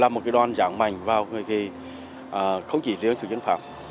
một cái đoàn giảng mạnh vào người kỳ không chỉ liên tục chiến phạm